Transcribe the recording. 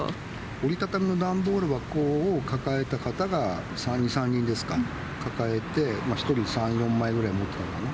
折り畳みの段ボール箱を抱えた方が２、３人ですか、抱えて、１人３、４枚ぐらい持ってたのかな。